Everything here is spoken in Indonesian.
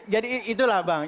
jadi itulah bang